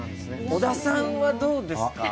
小田さんはどうですか？